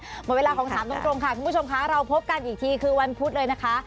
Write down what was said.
หมดเวลาของถามตรงค่ะคุณผู้ชมค่ะเราพบกันอีกทีคือวันพุธเลยนะคะ